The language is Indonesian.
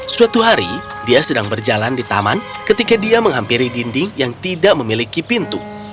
suatu hari dia sedang berjalan di taman ketika dia menghampiri dinding yang tidak memiliki pintu